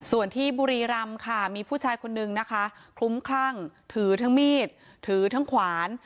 ส่วนที่บุรีรำค่ะมีผู้ชายคนนึงนะคะคลุ้มคลั่งถือทั้งมีดถือทั้งขวาน